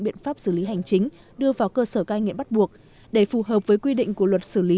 biện pháp xử lý hành chính đưa vào cơ sở cai nghiện bắt buộc để phù hợp với quy định của luật xử lý